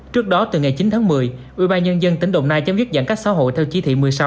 trước đó từ ngày chín tháng một mươi ưu ba nhân dân tỉnh đồng nai chấm dứt giãn cách xã hội theo chí thị một mươi sáu